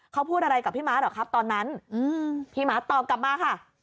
เขาพูดอะไรกับพี่ม้าเหรอครับตอนนั้นพี่ม้าตอบกลับมาค่ะ